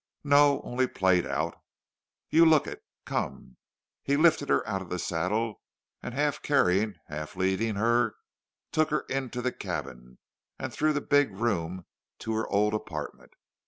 "No, only played out." "You look it. Come." He lifted her out of the saddle and, half carrying, half leading her, took her into the cabin, and through the big room to her old apartment.